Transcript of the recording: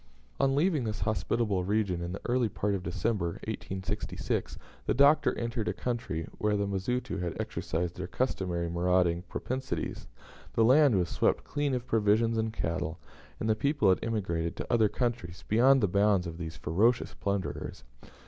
On leaving this hospitable region in the early part of December, 1866, the Doctor entered a country where the Mazitu had exercised their customary marauding propensities. The land was swept clean of provisions and cattle, and the people had emigrated to other countries, beyond the bounds of those ferocious plunderers.